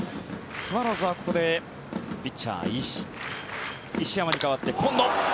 スワローズはここでピッチャー、石山に代わって今野。